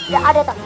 gak ada tak gio